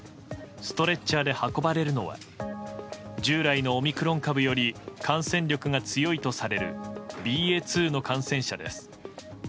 ストレッチャーで運ばれるのは従来のオミクロン株より感染力が強いとされるＢＡ．２の感染者です。